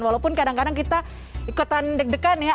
walaupun kadang kadang kita ikutan deg degan ya